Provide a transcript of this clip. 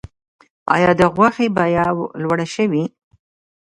آیا د غوښې بیه لوړه شوې؟